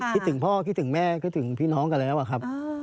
คิดถึงพ่อคิดถึงแม่คิดถึงพี่น้องกันแล้วอะครับ